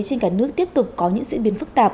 trên cả nước tiếp tục có những diễn biến phức tạp